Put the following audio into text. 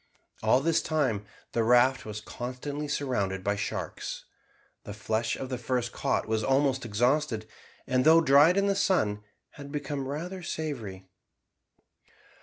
All this time the raft was constantly surrounded by sharks. The flesh of the first caught was almost exhausted, and though dried in the sun had become rather savoury.